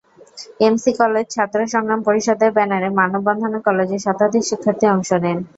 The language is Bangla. এমসি কলেজ ছাত্র সংগ্রাম পরিষদের ব্যানারে মানববন্ধনে কলেজের শতাধিক শিক্ষার্থী অংশ নেন।